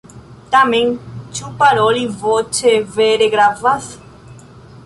Tamen, ĉu paroli voĉe vere gravas?